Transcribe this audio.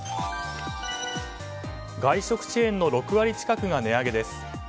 外食チェーンの６割近くが値上げです。